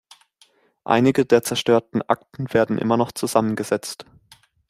Einige der zerstörten Akten werden immer noch zusammengesetzt.